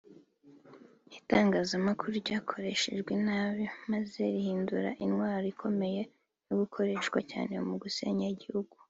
Itangazamakuru ryakoreshejwe nabi maze rihinduka intwaro ikomeye yakoreshejwe cyane mu gusenya igihugu